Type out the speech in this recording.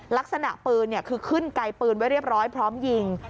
ลักษณะปืนคือขึ้นไกลปืนไว้เรียบร้อยพร้อมยิง